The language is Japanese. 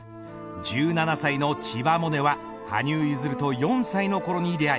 １７歳の千葉百音は羽生結弦と４歳のころに出会い